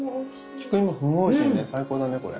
菊芋すんごいおいしいね最高だねこれ。